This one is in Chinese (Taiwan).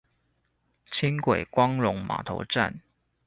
輕軌光榮碼頭站